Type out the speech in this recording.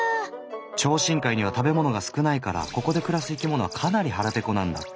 超深海には食べ物が少ないからここで暮らす生きものはかなり腹ぺこなんだって。